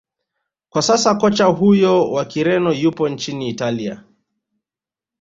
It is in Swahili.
kwa sasa kocha huyo wa kireno yupo nchini italia